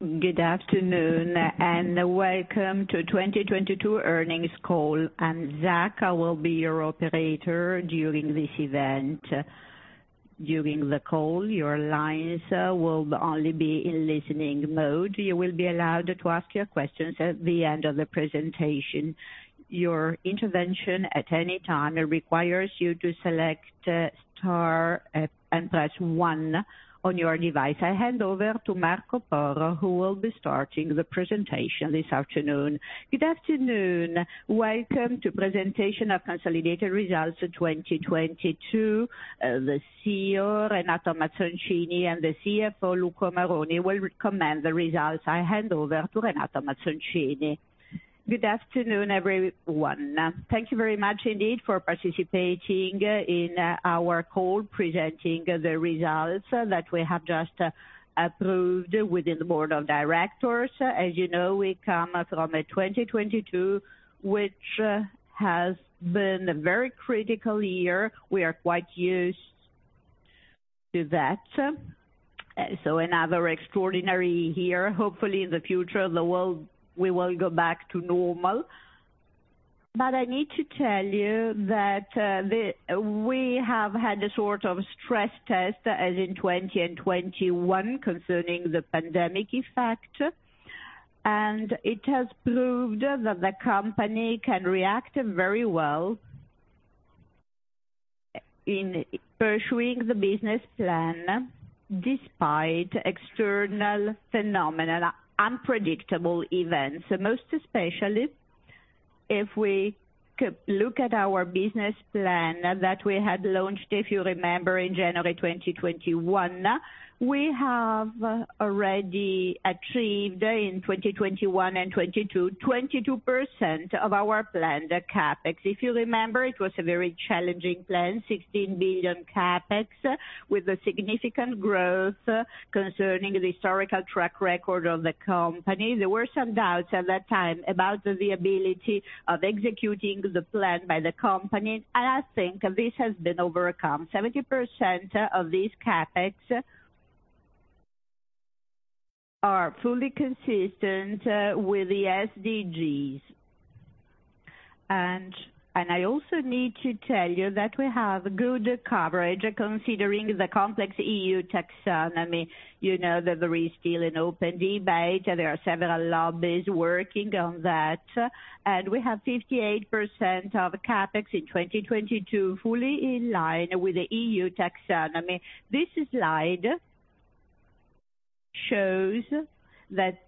Good afternoon. Welcome to 2022 earnings call. Zach, I will be your operator during this event. During the call, your lines will only be in listening mode. You will be allowed to ask your questions at the end of the presentation. Your intervention at any time requires you to select star and press one on your device. I hand over to Marco Porro, who will be starting the presentation this afternoon. Good afternoon. Welcome to presentation of consolidated results of 2022. The CEO, Renato Mazzoncini, and the CFO, Luca Moroni, will recommend the results. I hand over to Renato Mazzoncini. Good afternoon, everyone. Thank you very much indeed for participating in our call, presenting the results that we have just approved within the board of directors. As you know, we come from 2022, which has been a very critical year. We are quite used to that. Another extraordinary year. Hopefully, in the future, the world will go back to normal. I need to tell you that we have had a sort of stress test as in 20 and 2021 concerning the pandemic effect, and it has proved that the company can react very well in pursuing the business plan despite external phenomena, unpredictable events. Most especially, if we could look at our business plan that we had launched, if you remember, in January 2021, we have already achieved in 2021 and 2022, 22% of our planned CapEx. If you remember, it was a very challenging plan, 16 billion CapEx, with a significant growth concerning the historical track record of the company. There were some doubts at that time about the viability of executing the plan by the company, and I think this has been overcome. 70% of these CapEx are fully consistent with the SDGs. I also need to tell you that we have good coverage considering the complex EU Taxonomy. You know that there is still an open debate, and there are several lobbies working on that. We have 58% of CapEx in 2022 fully in line with the EU Taxonomy. This slide shows that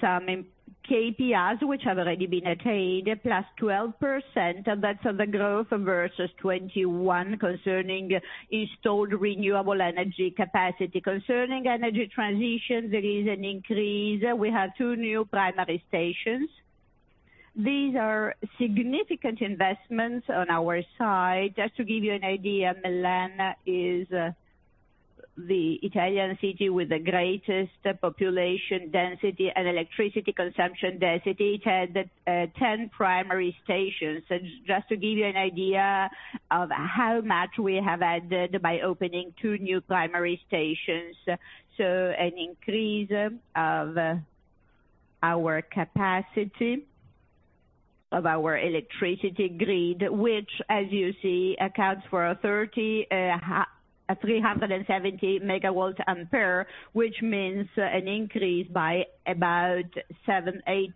some KPIs, which have already been attained, +12%, that's the growth versus 2021 concerning installed renewable energy capacity. Concerning energy transition, there is an increase. We have two new primary stations. These are significant investments on our side. Just to give you an idea, Milan is the Italian city with the greatest population density and electricity consumption density. It had 10 primary stations. Just to give you an idea of how much we have added by opening two new primary stations. An increase of our capacity of our electricity grid, which, as you see, accounts for a 370 megavolt-ampere, which means an increase by about 7%-8%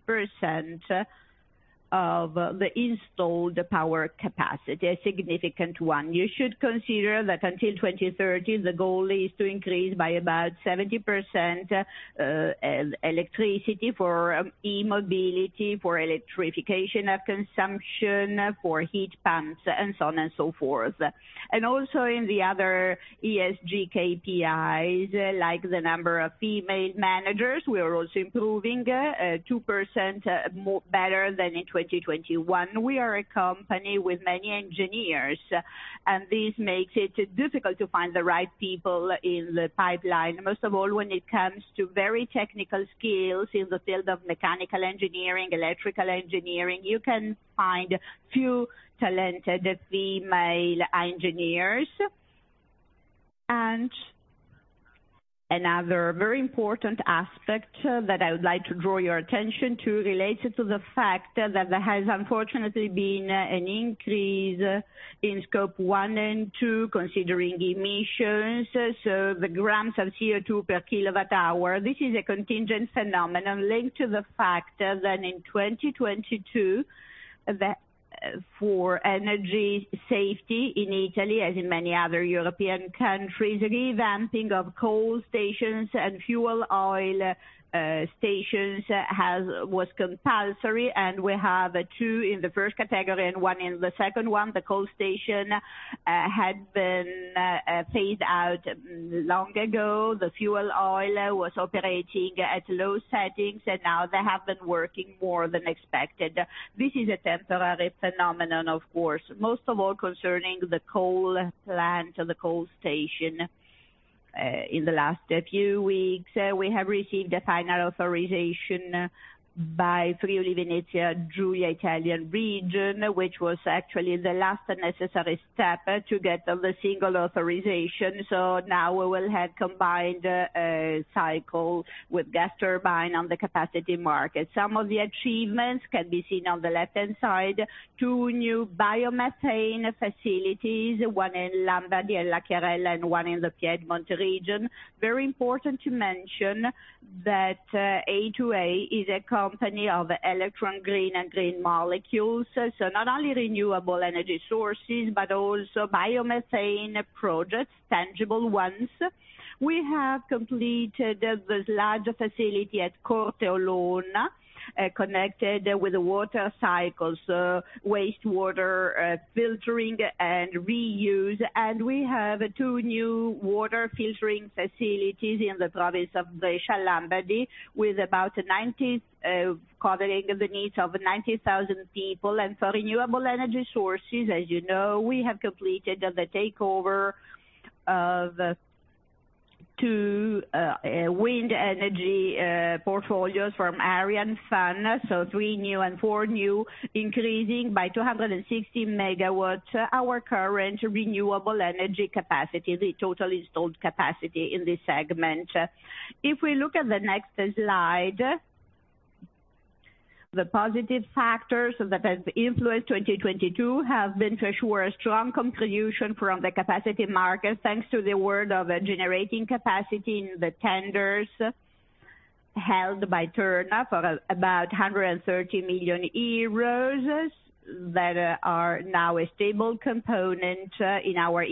of the installed power capacity, a significant one. You should consider that until 2030, the goal is to increase by about 70% electricity for E-Mobility, for electrification of consumption, for heat pumps, and so on and so forth. Also in the other ESG KPIs, like the number of female managers, we are also improving 2% more better than in 2021. We are a company with many engineers, and this makes it difficult to find the right people in the pipeline. Most of all, when it comes to very technical skills in the field of mechanical engineering, electrical engineering, you can find few talented female engineers. Another very important aspect that I would like to draw your attention to relates to the fact that there has unfortunately been an increase in Scope 1 and 2, considering emissions. The grams of CO2 per kilowatt hour. This is a contingent phenomenon linked to the fact that in 2022, for energy safety in Italy, as in many other European countries, revamping of coal stations and fuel oil stations was compulsory, and we have two in the first category and one in the second one. The coal station had been phased out long ago. The fuel oil was operating at low settings, and now they have been working more than expected. This is a temporary phenomenon, of course, most of all concerning the coal plant and the coal station. In the last few weeks, we have received the final authorization by Friuli-Venezia Giulia, which was actually the last necessary step to get the single authorization. Now we will have combined cycle with gas turbine on the capacity market. Some of the achievements can be seen on the left-hand side. Two new biomethane facilities, one in Lombardy, La Chiarella, and one in the Piedmont region. Very important to mention that A2A is a company of electron green and green molecules. Not only renewable energy sources, but also biomethane projects, tangible ones. We have completed the large facility at Corte Olona, connected with the water cycles, wastewater, filtering and reuse. We have two new water filtering facilities in the province of Lombardy, covering the needs of 90,000 people. For renewable energy sources, as you know, we have completed the takeover of two wind energy portfolios from Ardian. 3New and 4New, increasing by 260 MW our current renewable energy capacity, the total installed capacity in this segment. If we look at the next slide. The positive factors that have influenced 2022 have been first, were a strong contribution from the capacity market, thanks to the award of a generating capacity in the tenders held by Terna for about 130 million euros, that are now a stable component in our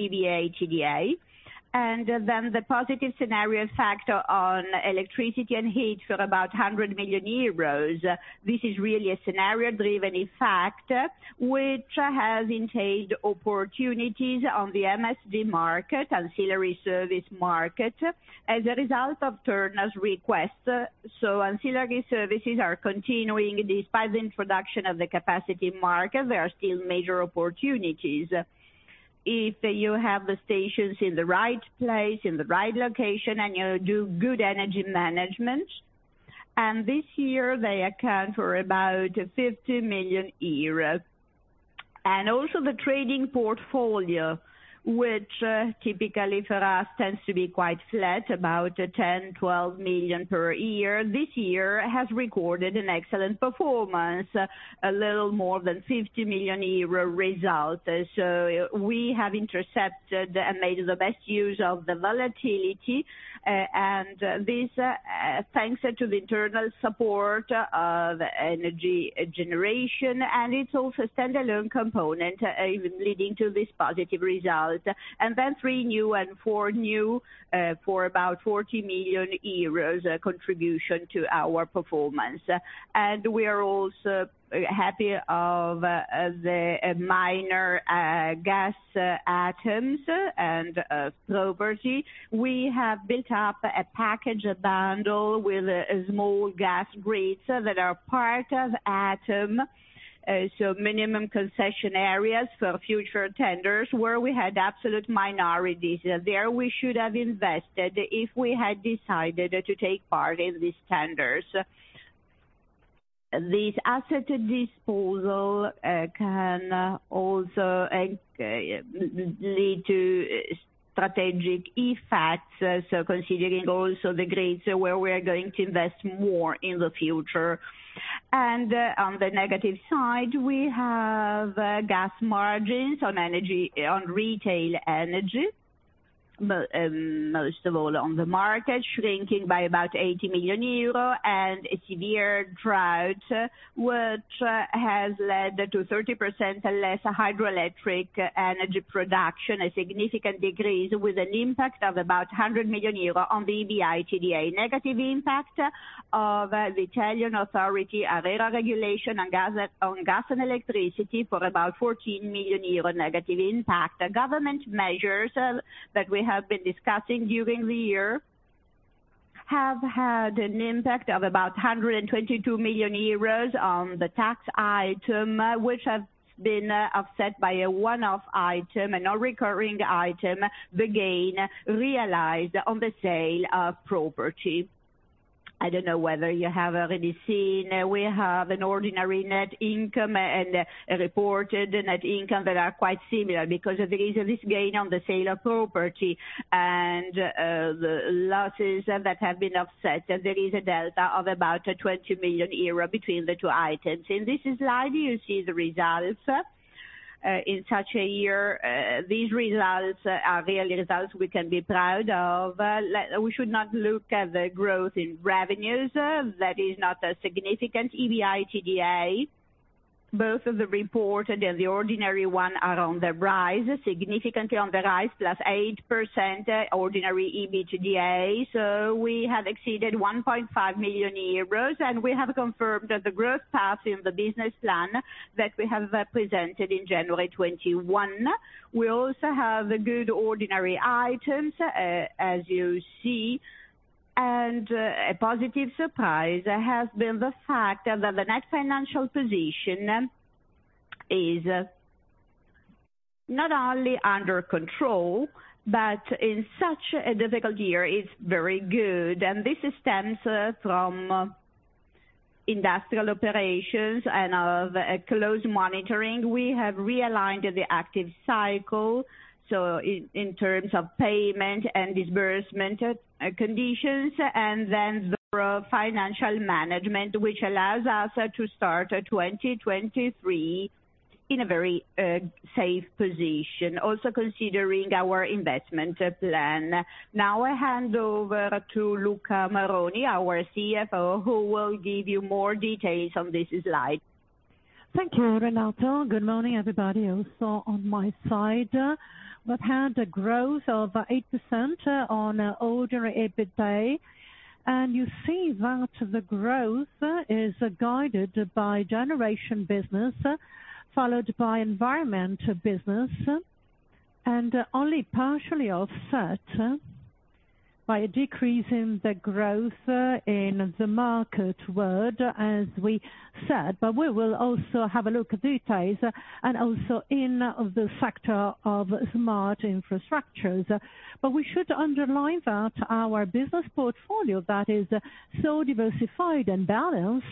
EBITDA. The positive scenario factor on electricity and heat for about 100 million euros. This is really a scenario-driven factor, which has entailed opportunities on the MSD market, ancillary service market, as a result of Terna's request. Ancillary services are continuing. Despite the introduction of the capacity market, there are still major opportunities. If you have the stations in the right place, in the right location, and you do good energy management. This year, they account for about 50 million euros. Also the trading portfolio, which typically for us tends to be quite flat, about 10-12 million per year, this year has recorded an excellent performance, a little more than 50 million euro result. We have intercepted and made the best use of the volatility, and this thanks to the internal support of energy generation, and it's also a stand-alone component leading to this positive result. 3New and 4New for about 40 million euros contribution to our performance. We are also happy of the minor gas ATEMs and property. We have built up a package, a bundle with a small gas grids that are part of ATEM, so minimum concession areas for future tenders, where we had absolute minorities. There we should have invested if we had decided to take part in these tenders. This asset disposal can also lead to strategic effects, so considering also the grids where we are going to invest more in the future. On the negative side, we have gas margins on energy, on retail energy, but most of all on the market, shrinking by about 80 million euro and a severe drought, which has led to 30% less hydroelectric energy production, a significant decrease with an impact of about 100 million euro on the EBITDA. Negative impact of the Italian Authority ARERA regulation on gas, on gas and electricity, for about 14 million euro negative impact. The government measures that we have been discussing during the year have had an impact of about 122 million euros on the tax item, which has been offset by a one-off item, a non-recurring item, the gain realized on the sale of property. I don't know whether you have already seen, we have an ordinary net income and a reported net income that are quite similar, because there is this gain on the sale of property and the losses that have been offset. There is a delta of about 20 million euro between the two items. In this slide, you see the results. In such a year, these results are really results we can be proud of. We should not look at the growth in revenues. That is not a significant EBITDA. Both the reported and the ordinary one are on the rise, significantly on the rise, +8% ordinary EBITDA. We have exceeded 1.5 million euros, and we have confirmed the growth path in the business plan that we have presented in January 2021. We also have good ordinary items, as you see. A positive surprise has been the fact that the net financial position is not only under control, but in such a difficult year, it's very good. This stems from industrial operations and of a close monitoring. We have realigned the active cycle, so in terms of payment and disbursement conditions, and then the financial management, which allows us to start 2023 in a very safe position, also considering our investment plan. Now I hand over to Luca Moroni, our CFO, who will give you more details on this slide. Thank you, Renato. Good morning, everybody. Also on my side, we've had a growth of 8% on ordinary EBITDA. You see that the growth is guided by generation business, followed by environment business, and only partially offset by a decrease in the growth in the market world, as we said. We will also have a look at details and also in the factor of Smart Infrastructures. We should underline that our business portfolio that is so diversified and balanced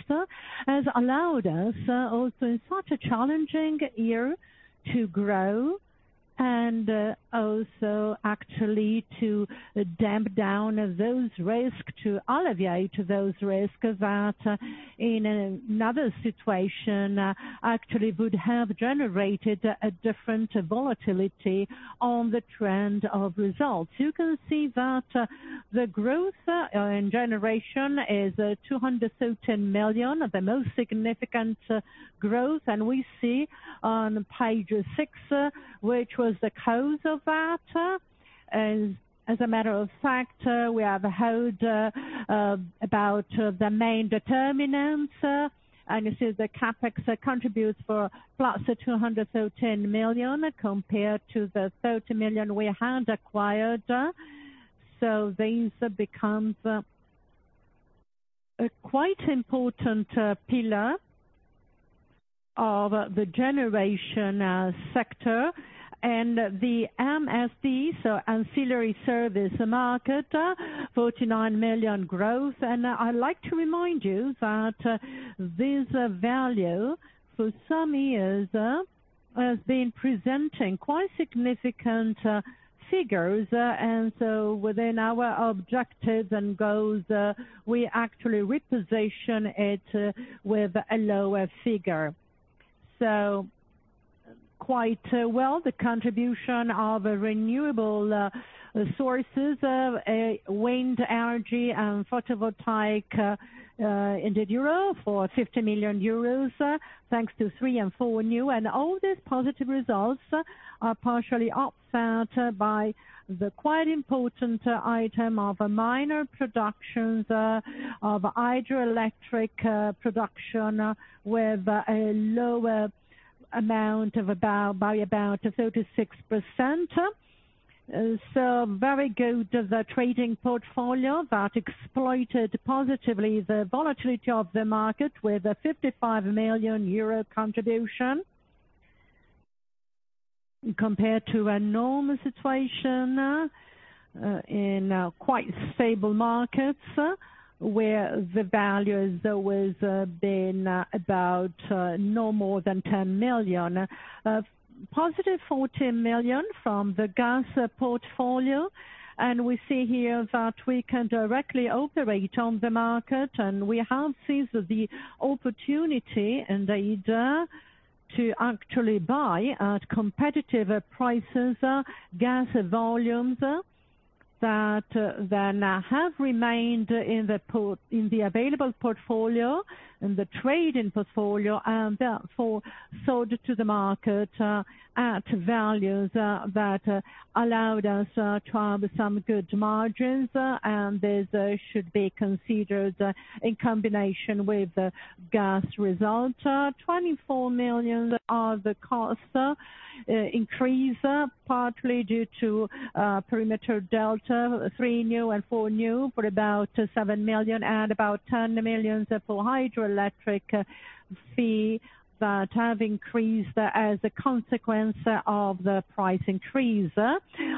has allowed us also in such a challenging year to grow and also actually to damp down those risks, to alleviate those risks that in another situation actually would have generated a different volatility on the trend of results. You can see that the growth in generation is 210 million, the most significant growth. We see on page six, which was the cause of that. As a matter of fact, we have heard about the main determinants, and this is the CapEx contributes for +210 million compared to the 30 million we had acquired. This becomes quite important pillar of the generation sector and the MSD, so ancillary service market, 49 million growth. I'd like to remind you that this value for some years has been presenting quite significant figures. Within our objectives and goals, we actually reposition it with a lower figure. Quite well, the contribution of renewable sources, wind energy and photovoltaic, in the EUR for 50 million euros, thanks to 3New and 4New. All these positive results are partially offset by the quite important item of minor productions of hydroelectric production, with a lower amount of about, by about 36%. Very good, the trading portfolio that exploited positively the volatility of the market with a 55 million euro contribution. Compared to a normal situation in quite stable markets, where the value has always been about no more than 10 million. +14 million from the gas portfolio. We see here that we can directly operate on the market, and we have seized the opportunity and data to actually buy at competitive prices, gas volumes that have remained in the available portfolio, in the trading portfolio, and therefore, sold to the market at values that allowed us to have some good margins, and this should be considered in combination with gas results. 24 million of the cost increase partly due to perimeter delta, 3New and 4New for about 7 million and about 10 million for hydroelectric fee that have increased as a consequence of the price increase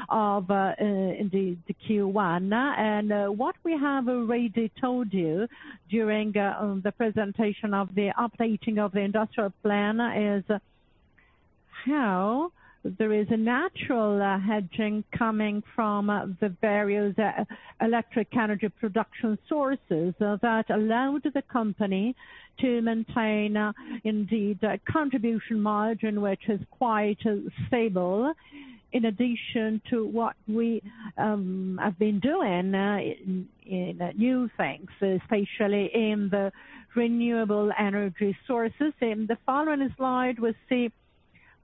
of the Q1. What we have already told you during the presentation of the updating of the industrial plan is how there is a natural hedging coming from the various electric energy production sources that allowed the company to maintain, indeed, a contribution margin, which is quite stable, in addition to what we have been doing in new things, especially in the renewable energy sources. In the following slide, we see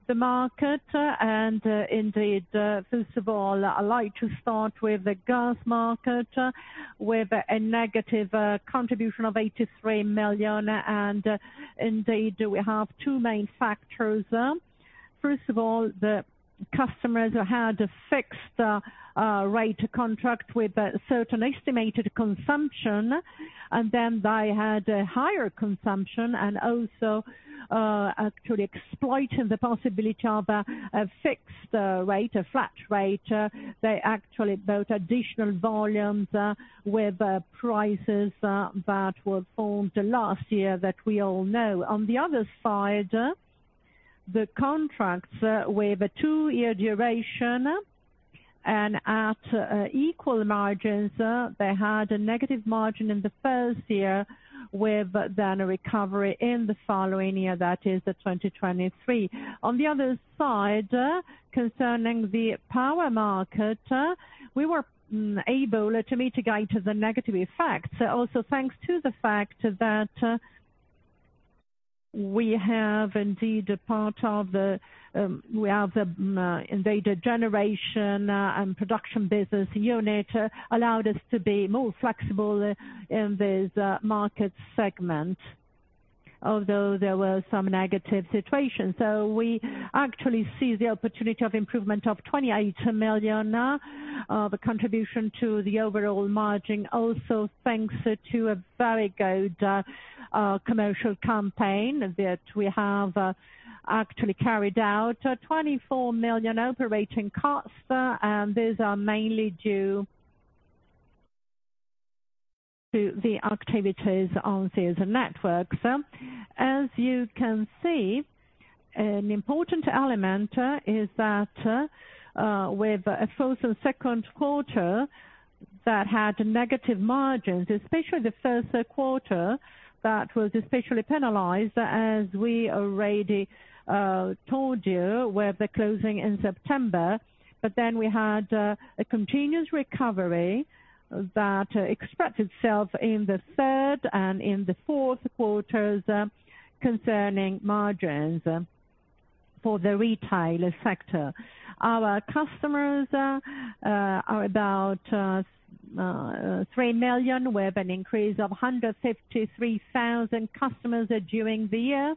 the market and indeed, first of all, I'd like to start with the gas market, with a negative contribution of 83 million. Indeed, we have two main factors. First of all, the customers had a fixed rate contract with a certain estimated consumption, and then they had a higher consumption and also actually exploiting the possibility of a fixed rate, a flat rate. They actually bought additional volumes with prices that were formed last year that we all know. The contracts with a two-year duration and at equal margins, they had a negative margin in the first year with a recovery in the following year, that is the 2023. Concerning the power market, we were able to mitigate the negative effects. Thanks to the fact that we have the, indeed, a generation and production business unit allowed us to be more flexible in this market segment, although there were some negative situations. We actually see the opportunity of improvement of 28 million of contribution to the overall margin, thanks to a very good commercial campaign that we have actually carried out. 24 million operating costs, and these are mainly due to the activities on these networks. As you can see, an important element is that, with a first and second quarter that had negative margins, especially the first quarter, that was especially penalized, as we already told you, with the closing in September. We had a continuous recovery that expressed itself in the third and in the fourth quarters concerning margins for the retail sector. Our customers are about 3 million, with an increase of 153,000 customers during the year.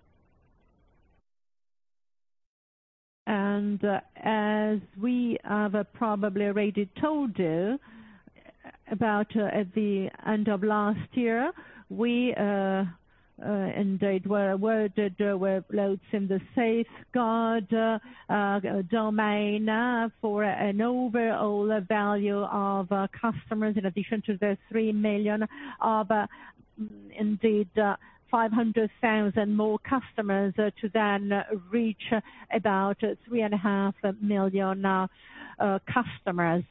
As we have probably already told you about at the end of last year, we indeed were with loads in the safeguard domain for an overall value of customers in addition to the 3 million of indeed 500,000 more customers to reach about 3.5 million customers.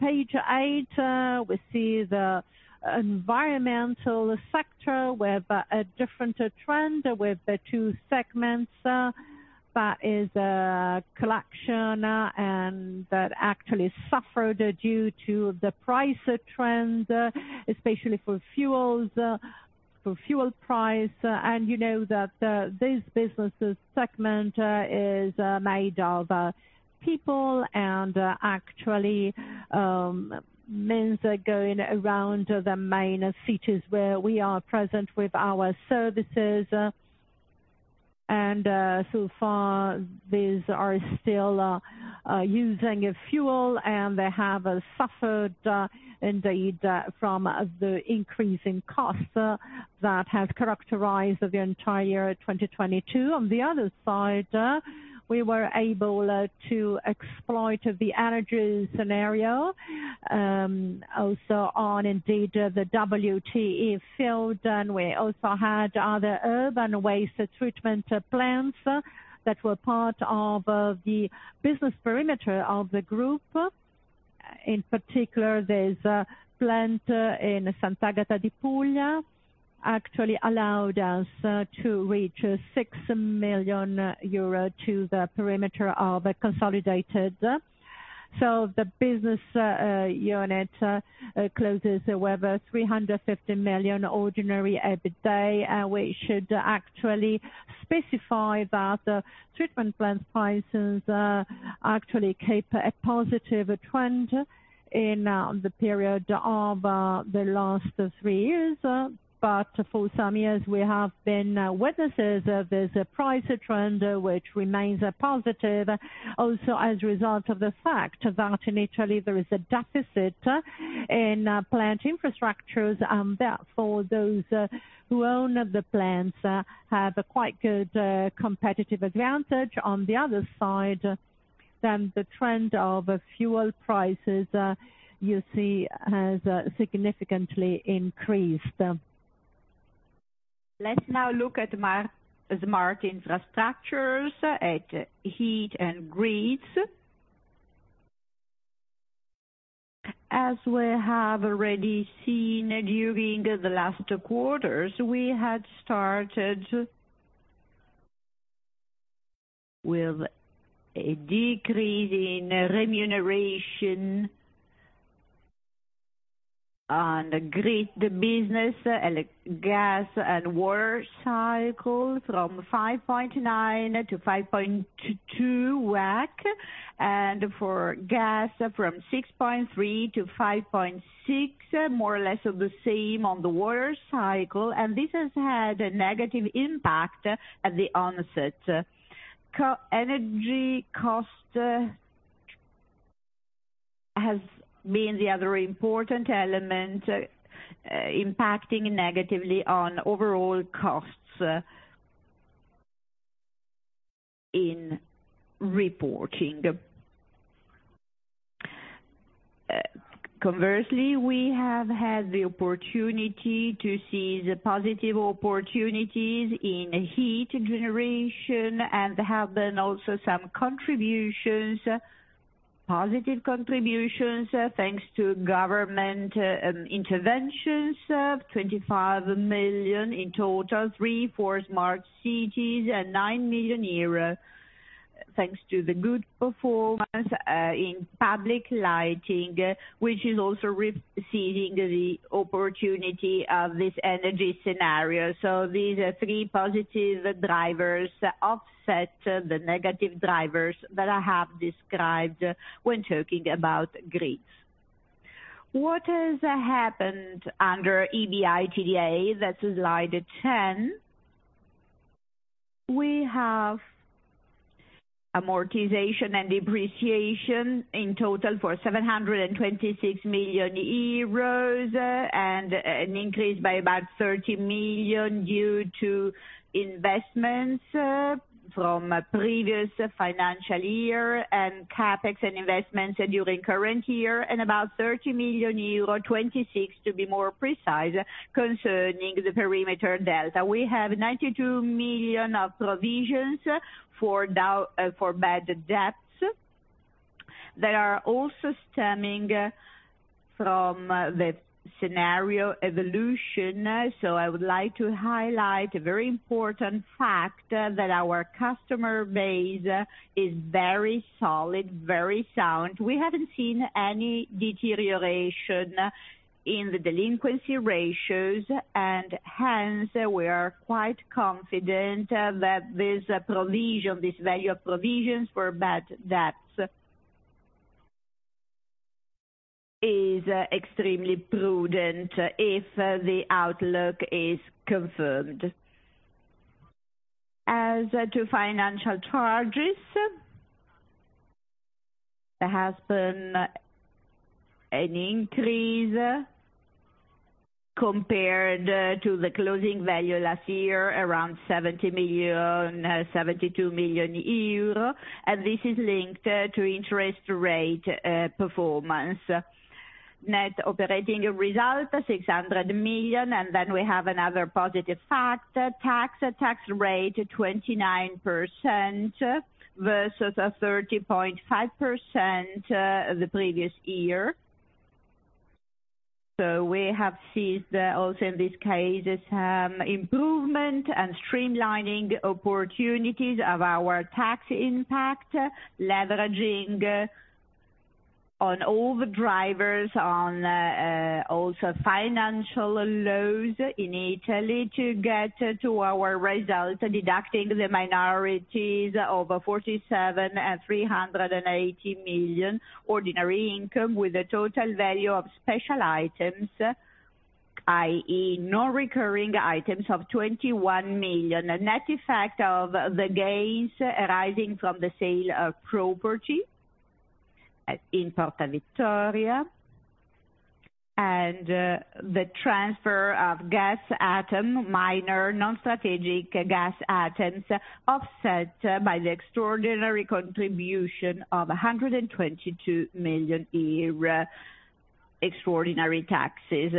Page eight, we see the environmental sector with a different trend with the two segments. That is, collection and that actually suffered due to the price trend, especially for fuels, for fuel price. You know that this business segment is made of people and actually means going around the main cities where we are present with our services. So far, these are still using a fuel, and they have suffered indeed from the increase in costs that has characterized the entire 2022. On the other side, we were able to exploit the energy scenario also on indeed the WtE field. We also had other urban waste treatment plants that were part of the business perimeter of the group. In particular, there's a plant in Sant'Agata di Puglia, actually allowed us to reach 6 million euro to the perimeter of the consolidated. The business unit closes with a 350 million ordinary EBITDA, and we should actually specify that treatment plant prices actually keep a positive trend in the period of the last three years. For some years, we have been witnesses. There's a price trend which remains positive, also as a result of the fact that in Italy there is a deficit in plant infrastructures, and therefore those who own the plants have a quite good competitive advantage. On the other side, the trend of fuel prices, you see, has significantly increased. Let's now look at Smart Infrastructures at heat and grids. As we have already seen during the last quarters, we had started with a decrease in remuneration on grid business, gas and water cycle from 5.9 to 5.2 WACC. For gas from 6.3 to 5.6, more or less of the same on the water cycle. This has had a negative impact at the onset. Energy cost has been the other important element impacting negatively on overall costs in reporting. Conversely, we have had the opportunity to see the positive opportunities in heat generation and there have been also some contributions, positive contributions, thanks to government interventions of 25 million in total, three forecast Smart Cities and 9 million euros, thanks to the good performance in public lighting, which is also receiving the opportunity of this energy scenario. These are three positive drivers offset the negative drivers that I have described when talking about grids. What has happened under EBITDA? That's slide 10. We have amortization and depreciation in total for 726 million euros and an increase by about 30 million due to investments from a previous financial year and CapEx and investments during current year, 30 million euro, 26 million to be more precise, concerning the perimeter delta. We have 92 million of provisions for bad debts that are also stemming from the scenario evolution. I would like to highlight a very important fact that our customer base is very solid, very sound. We haven't seen any deterioration in the delinquency ratios. We are quite confident that this provision, this value of provisions for bad debts is extremely prudent if the outlook is confirmed. As to financial charges, there has been an increase compared to the closing value last year, around 70 million, 72 million euro, and this is linked to interest rate performance. Net operating result, 600 million. We have another positive factor. Tax rate, 29% versus 30.5% the previous year. We have seized also in this case improvement and streamlining opportunities of our tax impact, leveraging on all the drivers on also financial lows in Italy to get to our results, deducting the minorities of 47 and 380 million ordinary income with a total value of special items, i.e. no recurring items of 21 million. A net effect of the gains arising from the sale of property in Porta Vittoria, and the transfer of gas ATEMs, minor non-strategic gas ATEMs, offset by the extraordinary contribution of 122 million euro extraordinary taxes.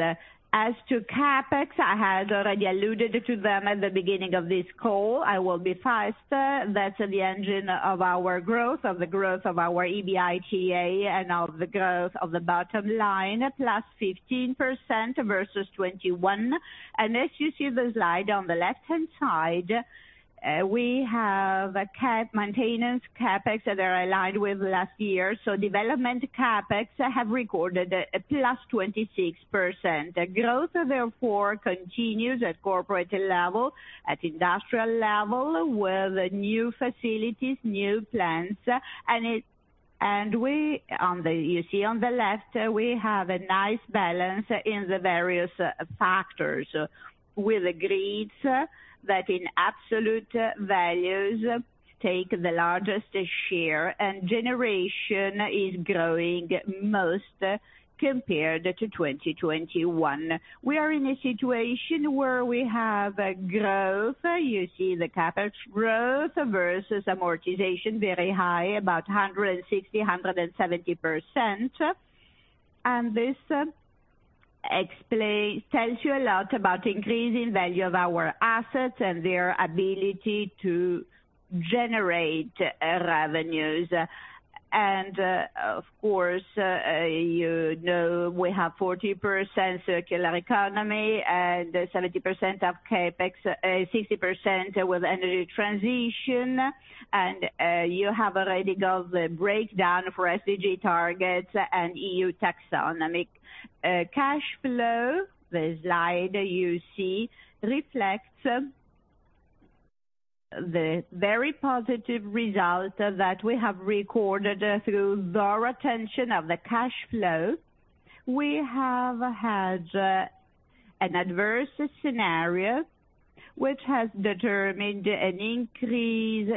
As to CapEx, I had already alluded to them at the beginning of this call. I will be faster. That's the engine of our growth, of the growth of our EBITDA and of the growth of the bottom line, +15% versus 2021. As you see the slide on the left-hand side, we have a cap maintenance CapEx that are aligned with last year. Development CapEx have recorded a +26%. Growth therefore continues at corporate level, at industrial level, with new facilities, new plants, and it. You see on the left, we have a nice balance in the various factors, with grids that in absolute values take the largest share, and generation is growing most compared to 2021. We are in a situation where we have a growth. You see the CapEx growth versus amortization, very high, about 160%, 170%. This tells you a lot about increasing value of our assets and their ability to generate revenues. Of course, we have 40% Circular Economy and 70% of CapEx, 60% with energy transition. You have already got the breakdown for SDG targets and EU Taxonomy. Cash flow, the slide you see reflects the very positive result that we have recorded through our attention of the cash flow. We have had an adverse scenario which has determined an increase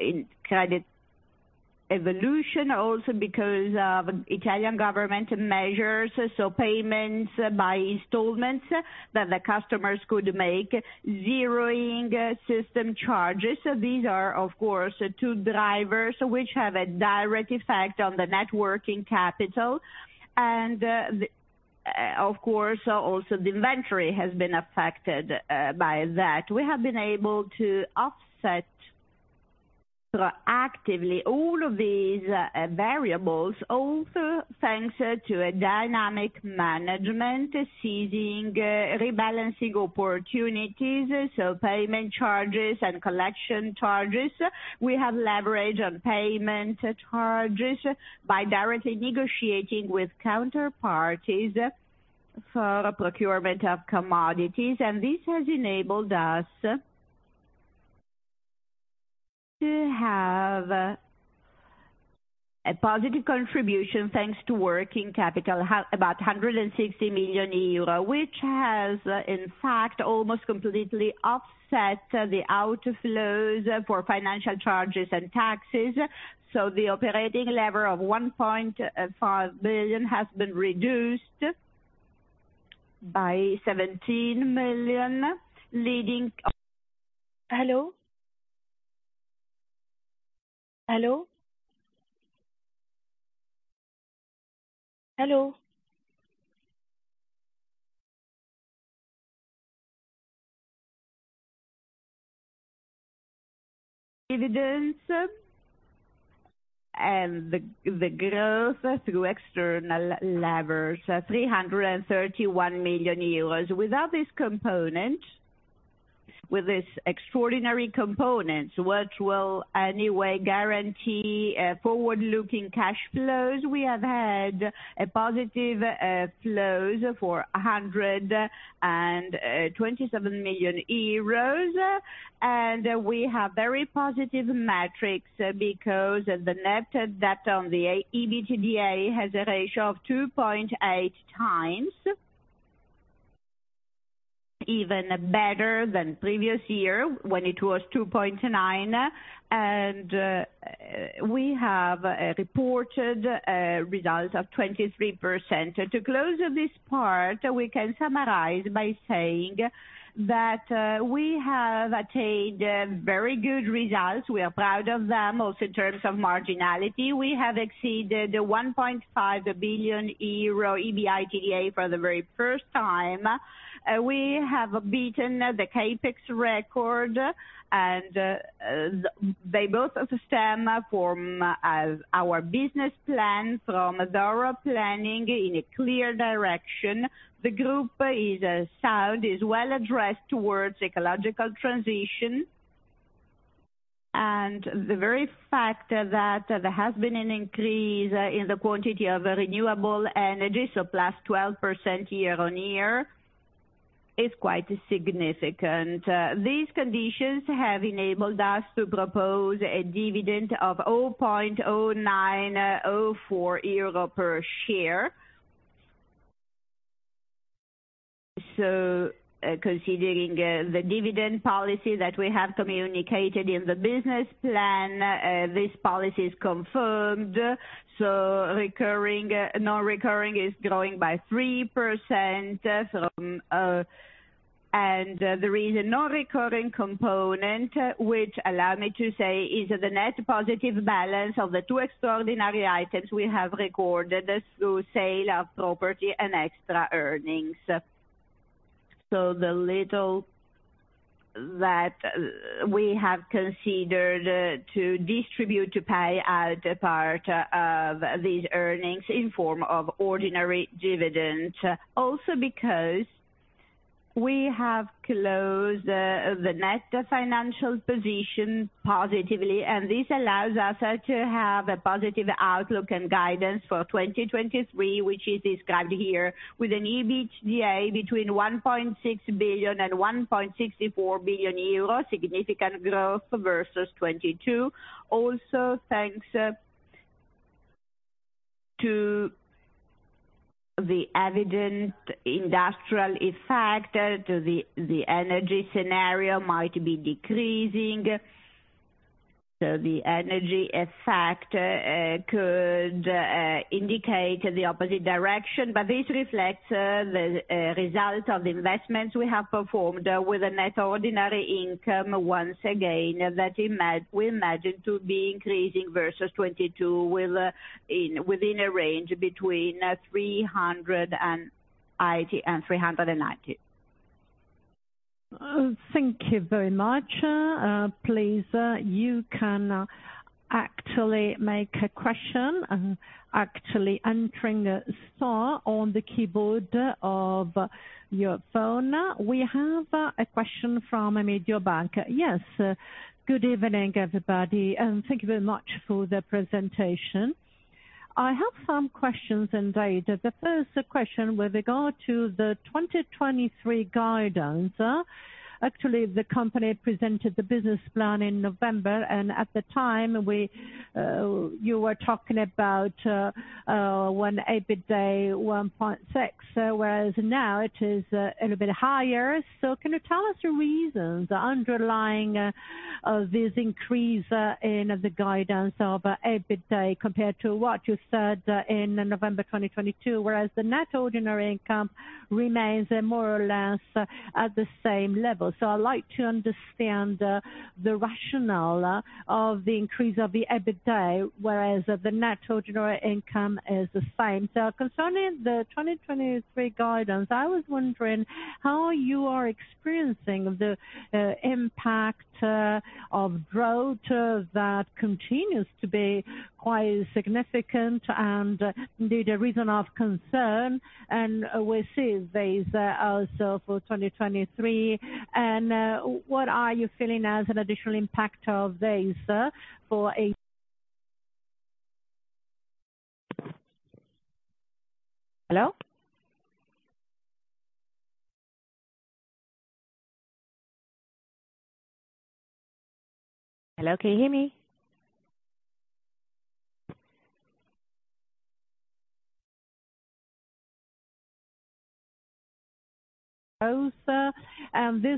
in credit evolution also because of Italian government measures. Payments by installments that the customers could make, zeroing system charges. These are, of course, two drivers which have a direct effect on the net working capital. Of course, also the inventory has been affected by that. We have been able to offset proactively all of these variables, also thanks to a dynamic management seizing rebalancing opportunities. Payment charges and collection charges. We have leverage on payment charges by directly negotiating with counterparties for procurement of commodities. This has enabled us to have a positive contribution thanks to working capital, about 160 million euro, which has in fact almost completely offset the outflows for financial charges and taxes. The operating lever of 1.5 billion has been reduced by 17 million. Hello? Hello? Hello? The growth through external levers, 331 million euros. Without this component, with this extraordinary component, which will anyway guarantee forward-looking cash flows, we have had positive flows for 127 million euros. We have very positive metrics because the net debt on the EBITDA has a ratio of 2.8x, even better than previous year when it was 2.9. We have a reported result of 23%. To close this part, we can summarize by saying that we have attained very good results. We are proud of them. Also, in terms of marginality, we have exceeded the 1.5 billion euro EBITDA for the very first time. We have beaten the CapEx record, and they both stem from our business plan, from our planning in a clear direction. The group is sound, is well addressed towards ecological transition. The very fact that there has been an increase in the quantity of renewable energy, +12% year-on-year, is quite significant. These conditions have enabled us to propose a dividend of 0.0904 euro per share. Considering the dividend policy that we have communicated in the business plan, this policy is confirmed. Non-recurring is growing by 3% from... There is a non-recurring component, which allow me to say is the net positive balance of the two extraordinary items we have recorded through sale of property and extra earnings. The little that we have considered to distribute, to pay out a part of these earnings in form of ordinary dividend. Because we have closed the net financial position positively, and this allows us to have a positive outlook and guidance for 2023, which is described here with an EBITDA between 1.6 billion and 1.64 billion euros, significant growth versus 2022. Thanks to the evident industrial effect, the energy scenario might be decreasing. The energy effect could indicate the opposite direction. This reflects the result of investments we have performed with a net ordinary income, once again, that we imagine to be increasing versus 2022, will within a range between 390. Thank you very much. Please, you can actually make a question entering star on the keyboard of your phone. We have a question from Mediobanca. Yes. Good evening, everybody, and thank you very much for the presentation. I have some questions in data. The first question with regard to the 2023 guidance. The company presented the business plan in November, and at the time you were talking about when EBITDA 1.6, whereas now it is a little bit higher. Can you tell us your reasons underlying this increase in the guidance of EBITDA compared to what you said in November 2022, whereas the net ordinary income remains more or less at the same level. I'd like to understand the rationale of the increase of the EBITDA, whereas the net ordinary income is the same. Concerning the 2023 guidance, I was wondering how you are experiencing the impact of growth that continues to be quite significant and indeed a reason of concern. We see this also for 2023. What are you feeling as an additional impact of this for. Hello, can you hear me?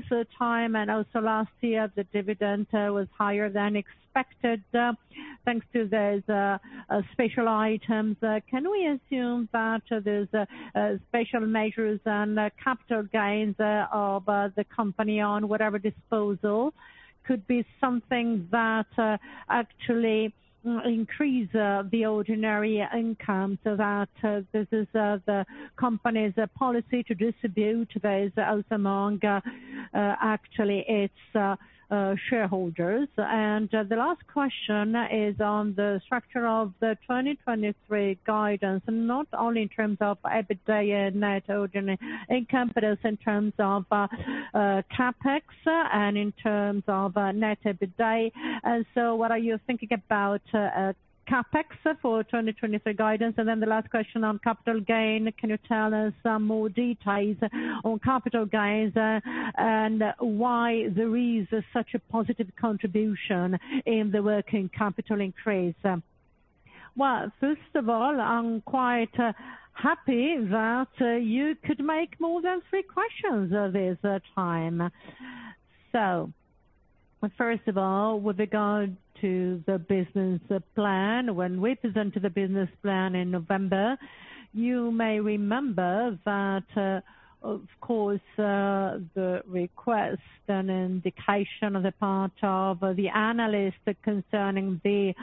This time, and also last year, the dividend was higher than expected, thanks to those special items. Can we assume that those special measures and capital gains of the company on whatever disposal could be something that actually increase the ordinary income so that this is the company's policy to distribute this also among actually its shareholders. The last question is on the structure of the 2023 guidance, and not only in terms of EBITDA and net ordinary income, but also in terms of CapEx and in terms of net EBITDA. What are you thinking about CapEx for 2023 guidance? The last question on capital gain, can you tell us some more details on capital gains and why there is such a positive contribution in the working capital increase? Well, first of all, I'm quite happy that you could make more than three questions this time. First of all, with regard to the business plan, when we presented the business plan in November, you may remember that of course, the request and indication on the part of the analyst concerning the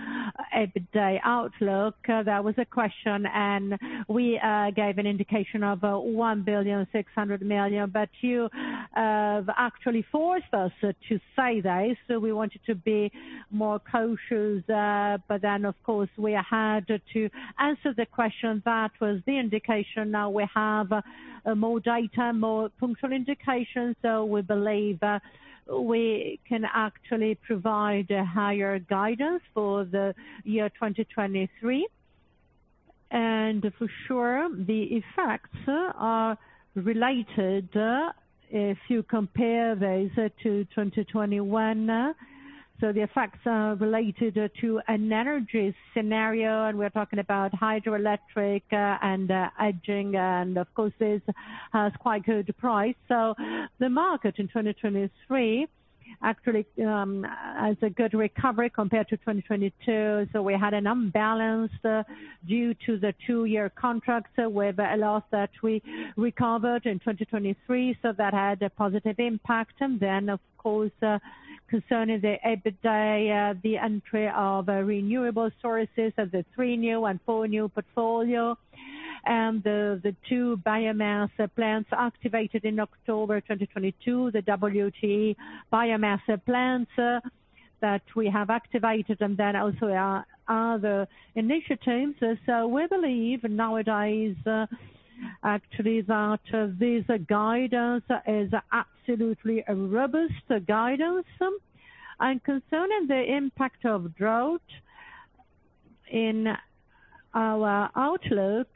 EBITDA outlook, there was a question, and we gave an indication of 1.6 billion. You actually forced us to say this, so we wanted to be more cautious. Of course, we had to answer the question. That was the indication. Now we have more data, more functional indications, so we believe we can actually provide a higher guidance for the year 2023. The effects are related, if you compare this to 2021. The effects are related to an energy scenario, and we are talking about hydroelectric and hedging, and of course this has quite good price. The market in 2023 actually has a good recovery compared to 2022. We had an imbalance due to the two-year contracts where a loss that we recovered in 2023. That had a positive impact. Of course, concerning the EBITDA, the entry of renewable sources of the 3New and 4New portfolio and the two biomass plants activated in October 2022, the WtE biomass plants that we have activated. Also our other initiatives. We believe nowadays actually that this guidance is absolutely a robust guidance. Concerning the impact of drought in our outlook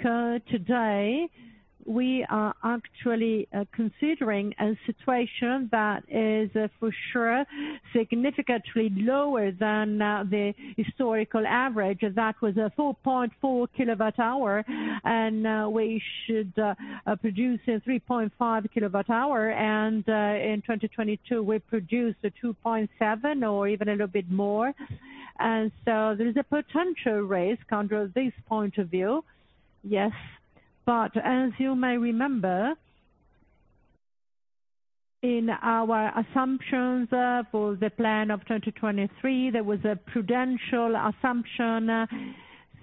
today, we are actually considering a situation that is for sure significantly lower than the historical average. That was a 4.4 kWh, and we should produce a 3.5 kWh. In 2022, we produced 2.7 or even a little bit more. There is a potential risk under this point of view, yes. As you may remember, in our assumptions for the plan of 2023, there was a prudential assumption.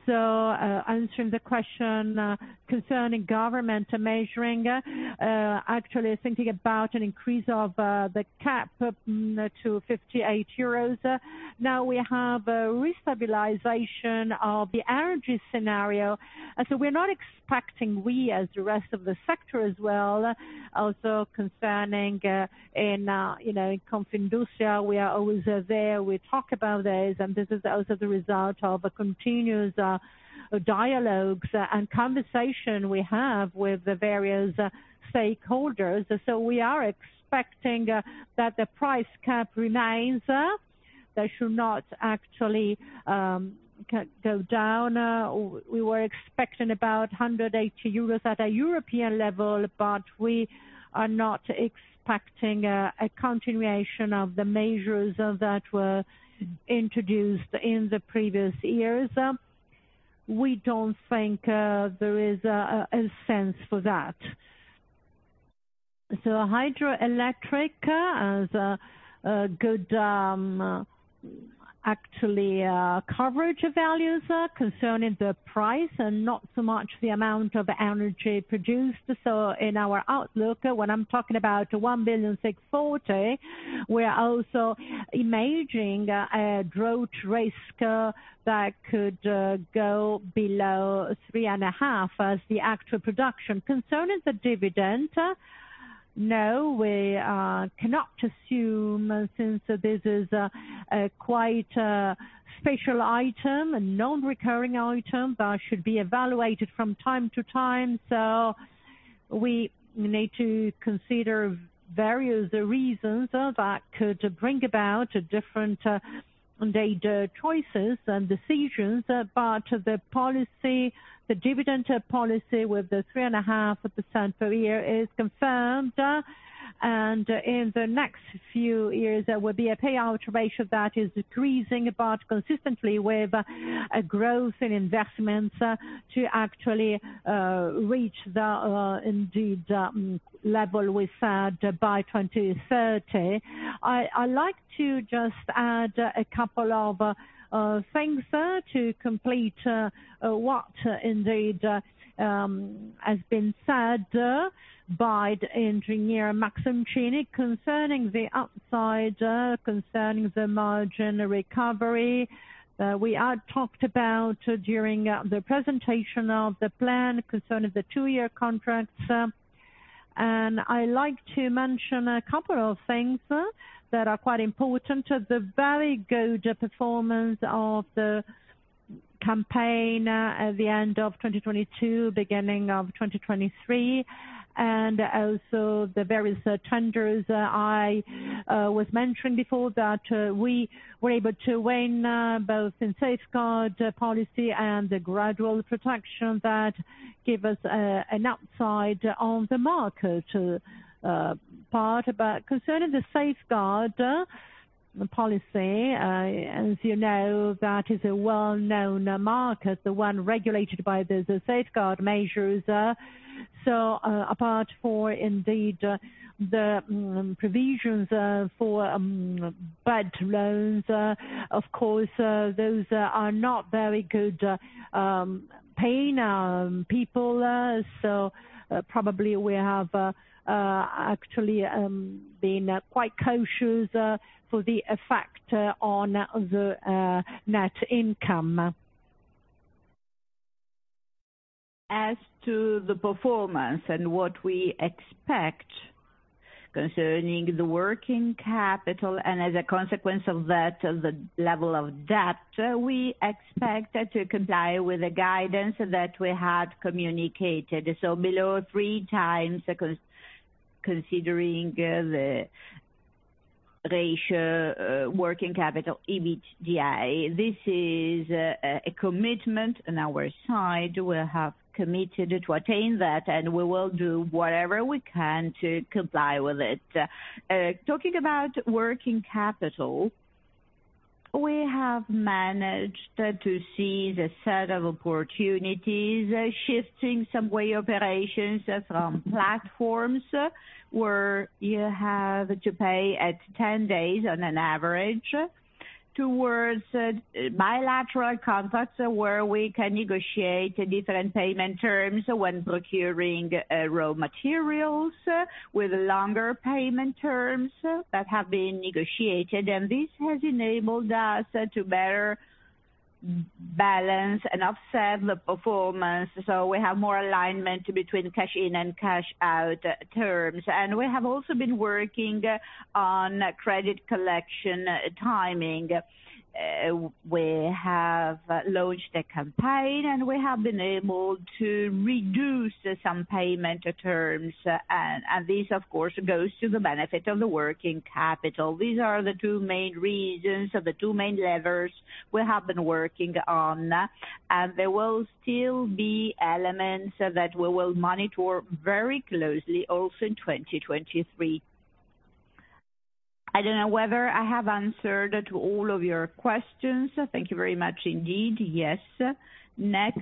Answering the question concerning government measuring, actually thinking about an increase of the cap to 58 euros. Now we have a restabilization of the energy scenario. We're not expecting we as the rest of the sector as well. Also concerning, Confindustria, we are always there, we talk about this, and this is also the result of a continuous dialogues and conversation we have with the various stakeholders. We are expecting that the price cap remains. They should not actually go down. We were expecting about 180 euros at a European level, but we are not expecting a continuation of the measures that were introduced in the previous years. We don't think there is a sense for that. Hydroelectric has a good, actually, coverage values concerning the price and not so much the amount of energy produced. In our outlook, when I'm talking about 1.64 billion, we are also imagining a drought risk that could go below 3.5 as the actual production. Concerning the dividend, no, we cannot assume since this is a quite special item, a non-recurring item that should be evaluated from time to time. We need to consider various reasons that could bring about different choices and decisions. The policy, the dividend policy with the 3.5% per year is confirmed. In the next few years, there will be a payout ratio that is decreasing, but consistently with a growth in investments, to actually reach the level we said by 2030. I like to just add a couple of things, to complete what indeed has been said by engineer Mazzoncini concerning the upside, concerning the margin recovery. We had talked about during the presentation of the plan concerning the two-year contracts. I like to mention a couple of things that are quite important. The very good performance of the campaign at the end of 2022, beginning of 2023, and also the various tenders I was mentioning before that we were able to win both in Safeguard policy and the Gradual protection that give us an upside on the market part. Concerning the Safeguard policy, as you know, that is a well-known market, the one regulated by the Safeguard measures. Apart for indeed the provisions for bad loans, of course, those are not very good paying people. Probably we have actually been quite cautious for the effect on the net income. As to the performance and what we expect concerning the working capital and as a consequence of that, the level of debt, we expect to comply with the guidance that we had communicated, so below 3x, considering the ratio, working capital, EBITDA. This is a commitment on our side. We have committed to attain that, and we will do whatever we can to comply with it. Talking about working capital, we have managed to see the set of opportunities, shifting some way operations from platforms, where you have to pay at 10 days on an average, towards bilateral contracts, where we can negotiate different payment terms when procuring raw materials with longer payment terms that have been negotiated. And this has enabled us to better balance and offset the performance, so we have more alignment between cash in and cash out terms. We have also been working on credit collection timing. We have launched a campaign, and we have been able to reduce some payment terms, and this, of course, goes to the benefit of the working capital. These are the two main reasons or the two main levers we have been working on, and there will still be elements that we will monitor very closely also in 2023. I don't know whether I have answered to all of your questions. Thank you very much indeed. Yes. Next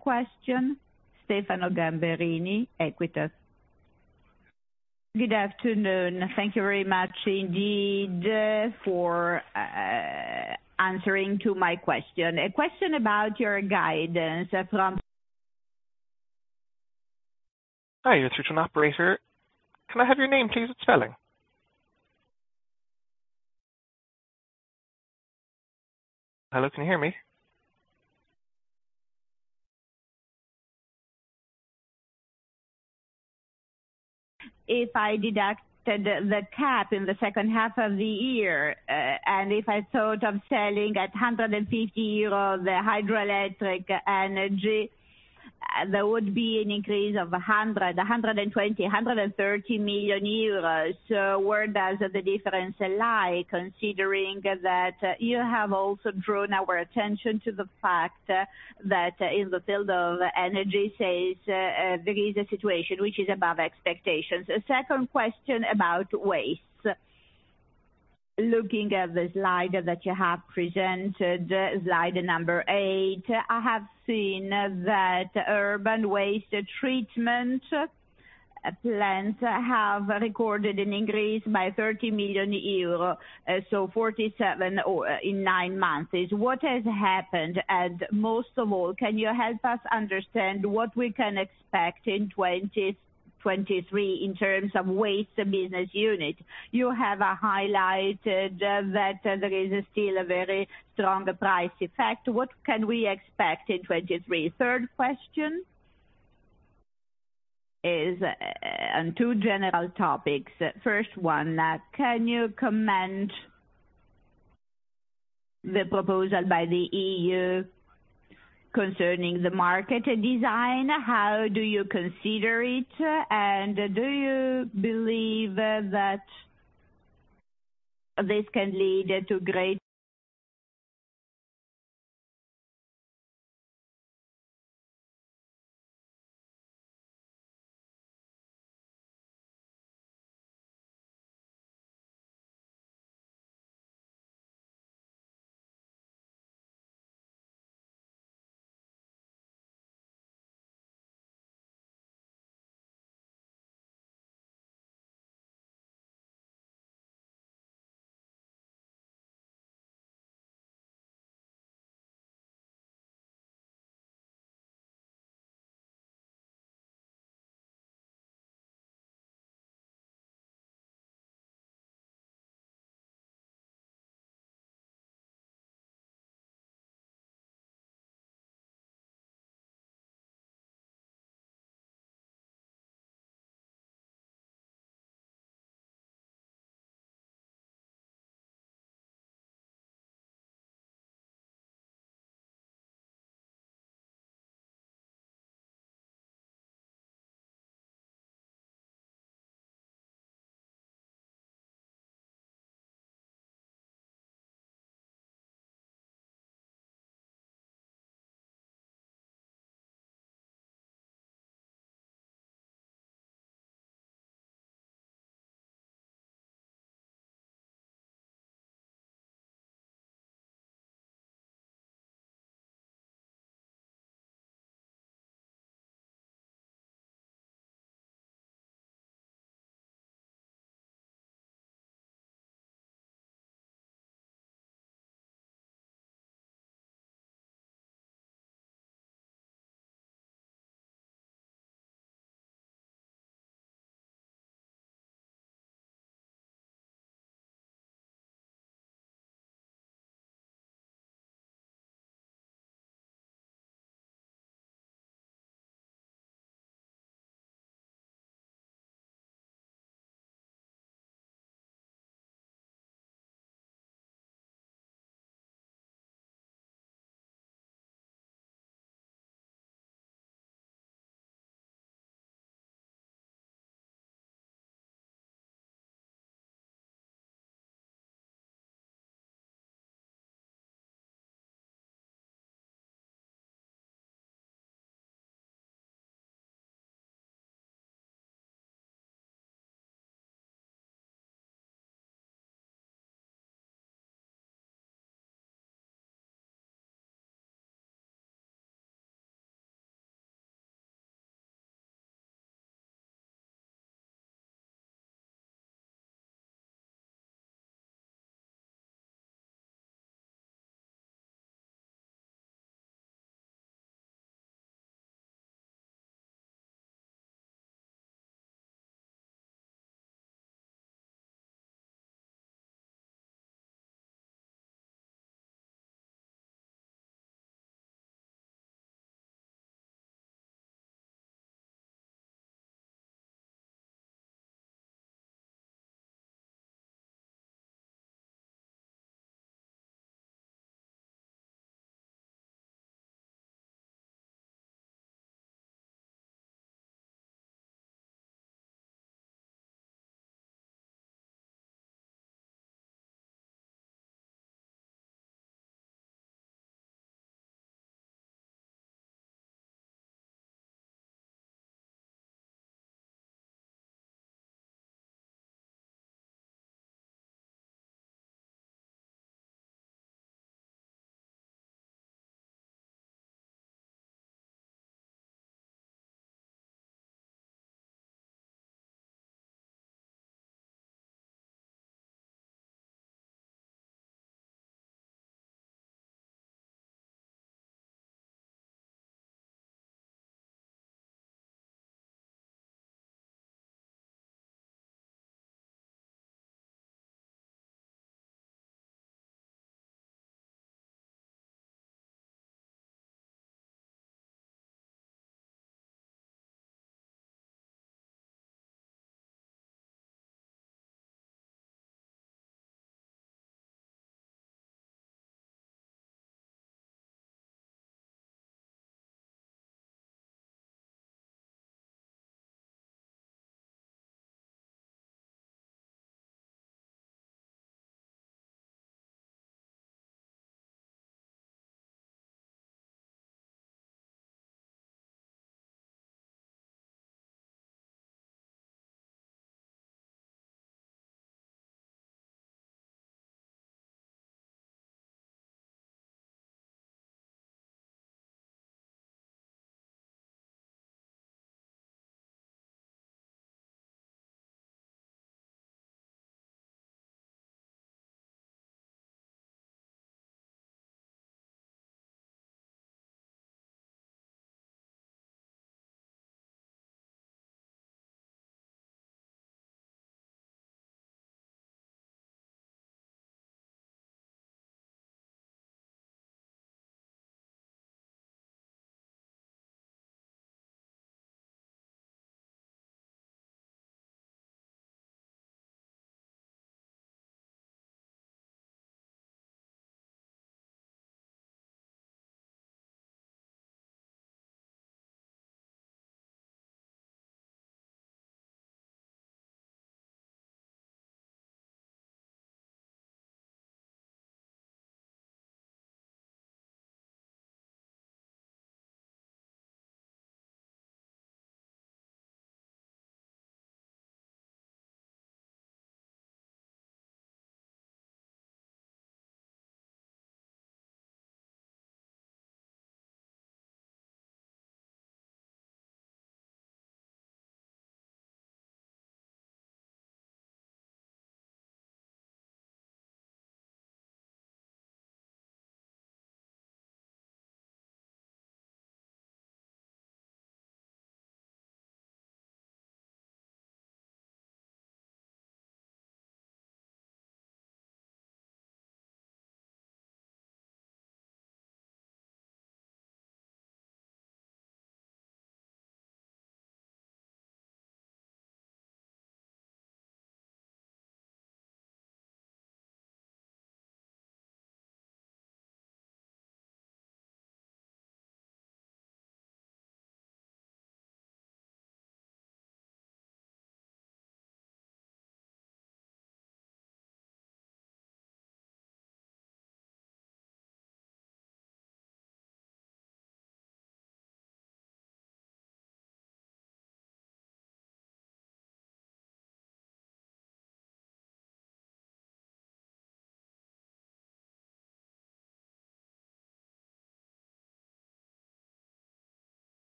question, Stefano Gamberini, Equita. Good afternoon. Thank you very much indeed for answering to my question. A question about your guidance. Hi, this is an operator. Can I have your name, please, and spelling? Hello, can you hear me? If I deducted the cap in the second half of the year, and if I thought of selling at 150 euro the hydroelectric energy. There would be an increase of 100 million, 120 million, 130 million euros. Where does the difference lie, considering that you have also drawn our attention to the fact that in the field of energy sales there is a situation which is above expectations. A second question about waste. Looking at the slide that you have presented, slide number eight, I have seen that urban waste treatment plans have recorded an increase by 30 million euros, so 47 or in nine months. What has happened? Most of all, can you help us understand what we can expect in 2023 in terms of waste business unit? You have highlighted that there is still a very strong price effect. What can we expect in 2023? Third question is on two general topics. First one, can you comment the proposal by the EU concerning the market design? How do you consider it? Do you believe that this can lead to great.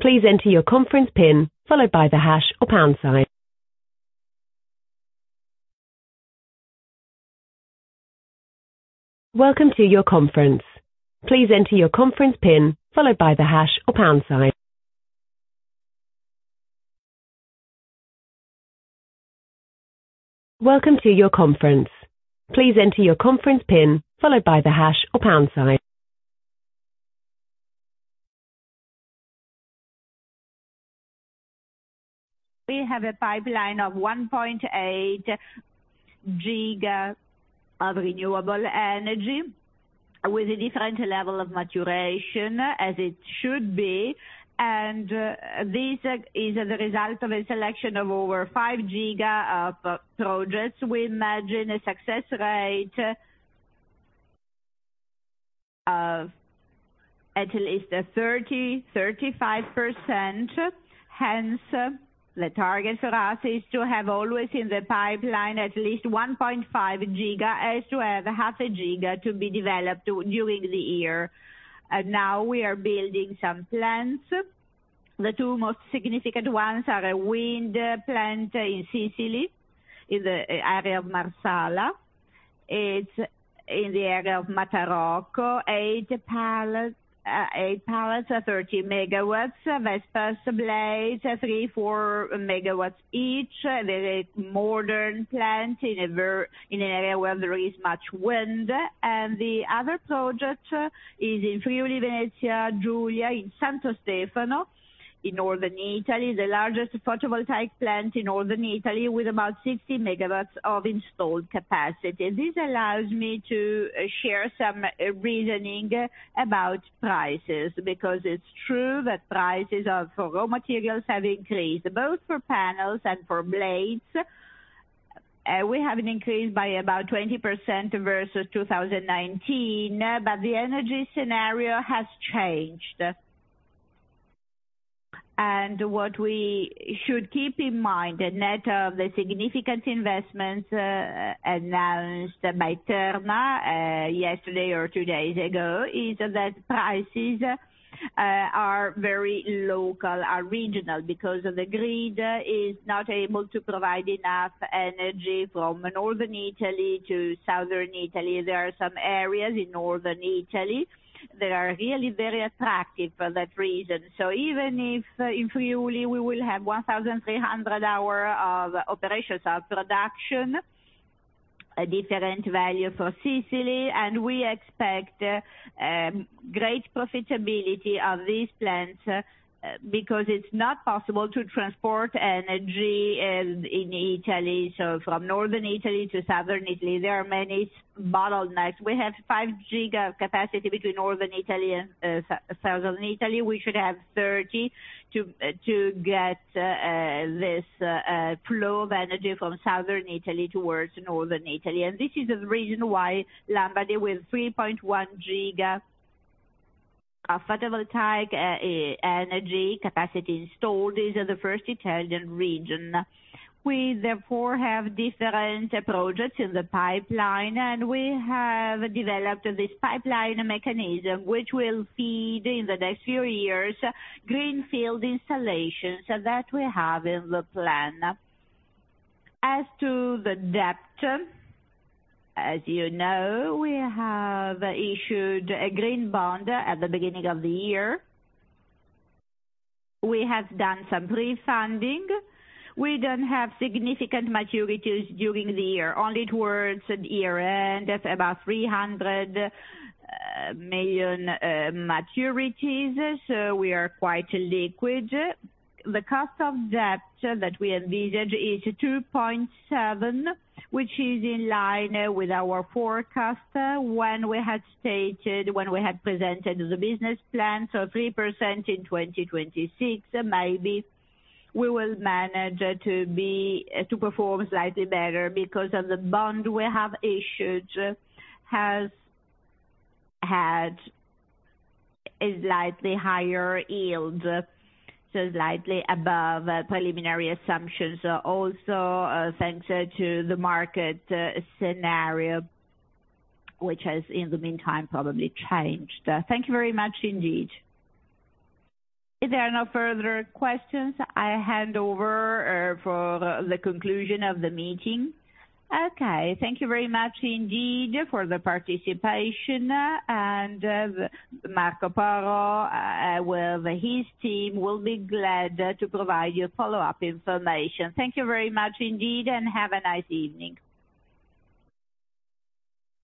Please enter your conference PIN followed by the hash or pound sign. Welcome to your conference. Please enter your conference PIN followed by the hash or pound sign. Welcome to your conference. Please enter your conference PIN followed by the hash or pound sign. We have a pipeline of 1.8 GW of renewable energy with a different level of maturation as it should be. This is the result of a selection of over 5 GW of projects. We imagine a success rate of at least 30%-35%. The target for us is to have always in the pipeline at least 1.5 GW, as to have 0.5 GW to be developed during the year. Now we are building some plants. The two most significant ones are a wind plant in Sicily, in the area of Marsala. It's in the area of Matarocco, eight plants of 30 MW. Vestas blades, 3-4 MW each. They're a modern plant in an area where there is much wind. The other project is in Friuli-Venezia Giulia, in Santo Stefano, in northern Italy. The largest photovoltaic plant in northern Italy, with about 60 MW of installed capacity. This allows me to share some reasoning about prices, because it's true that prices for raw materials have increased, both for panels and for blades. We have an increase by about 20% versus 2019, but the energy scenario has changed. What we should keep in mind, the net of the significant investments announced by Terna yesterday or two days ago, is that prices are very local, are regional, because the grid is not able to provide enough energy from Northern Italy to Southern Italy. There are some areas in Northern Italy that are really very attractive for that reason. Even if in July we will have 1,300 hour of operations of production, a different value for Sicily. We expect great profitability of these plants because it's not possible to transport energy in Italy. From Northern Italy to Southern Italy, there are many bottlenecks. We have 5 GW capacity between Northern Italy and Southern Italy. We should have 30 to get this flow of energy from Southern Italy towards Northern Italy. This is the reason why Lombardy, with 3.1 GW of photovoltaic energy capacity installed, is the first Italian region. We therefore have different projects in the pipeline, and we have developed this pipeline mechanism which will feed, in the next few years, greenfield installations that we have in the plan. As to the debt, as you know, we have issued a green bond at the beginning of the year. We have done some refunding. We don't have significant maturities during the year, only towards the year-end, about 300 million maturities, so we are quite liquid. The cost of debt that we envisage is 2.7%, which is in line with our forecast when we had stated, when we had presented the business plan, so 3% in 2026. Maybe we will manage to perform slightly better because of the bond we had issued had a slightly higher yield, so slightly above preliminary assumptions. Also, thanks to the market scenario, which has, in the meantime, probably changed. Thank you very much indeed. If there are no further questions, I hand over for the conclusion of the meeting. Okay, thank you very much indeed for the participation. Marco Porro with his team will be glad to provide you follow-up information. Thank you very much indeed, have a nice evening.